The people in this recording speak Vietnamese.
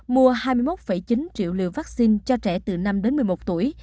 mua hai mươi một chín triệu liều vaccine cho trẻ từ năm đến một mươi một tuổi